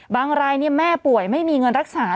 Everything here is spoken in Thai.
รายแม่ป่วยไม่มีเงินรักษา